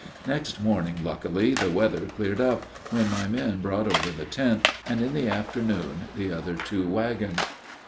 Next morning, luckily, the weather cleared up, when my men brought over the tent, and in the afternoon the other two wagons.